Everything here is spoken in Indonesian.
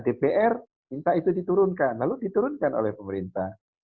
dpr minta itu diturunkan lalu diturunkan oleh pemerintah